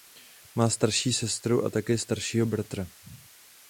Má starší sestru a také staršího bratra.